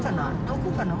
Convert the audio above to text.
どこかな？